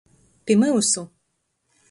Pi myusu.